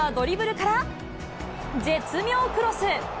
まずはドリブルから、絶妙クロス。